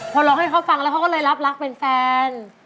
พอร้องให้เขาฟังแล้วเขาก็เลยรับรักเป็นแฟน